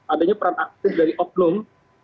adanya peran aktif dari oknum